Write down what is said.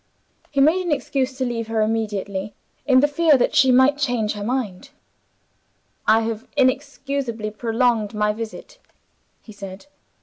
He made an excuse to leave her immediately, in the fear that she might change her mind. "I have inexcusably prolonged my visit," he said.